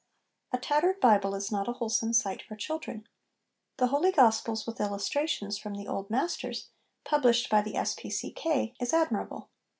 A tattered Bible is not a wholesome sight for children. The Holy Gospels with Illustrations from the Gld Masters} published by the S.P.C.K., is admirable.